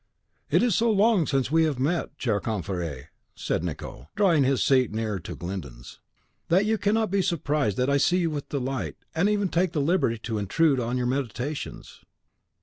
"It is so long since we have met, cher confrere," said Nicot, drawing his seat nearer to Glyndon's, "that you cannot be surprised that I see you with delight, and even take the liberty to intrude on your meditations.